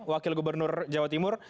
wakil gubernur jawa timur